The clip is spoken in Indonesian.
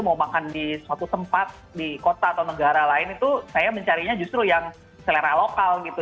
mau makan di suatu tempat di kota atau negara lain itu saya mencarinya justru yang selera lokal gitu